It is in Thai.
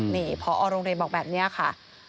นี่พอโรงเรียนบอกแบบนี้ค่ะ